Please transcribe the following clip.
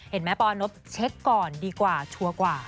เห็นไหมปอนบเช็คก่อนดีกว่าชัวร์กว่า